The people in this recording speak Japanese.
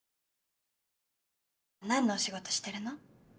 何のお仕事してるの？